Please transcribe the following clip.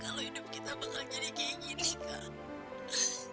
kalau hidup kita bakal jadi kayak gini kak